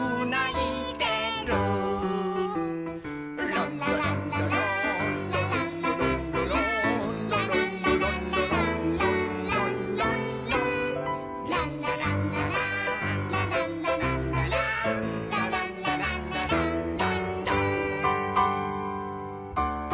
「ランラランラランラランラランラランラ」「ランラランラランランランランラン」「ランラランラランラランラランラランラ」「ランラランラランランラン」